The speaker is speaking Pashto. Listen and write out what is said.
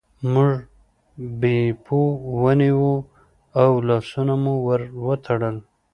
موږ بیپو ونیوه او لاسونه مو ور وتړل.